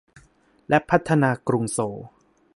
และพัฒนากรุงโซล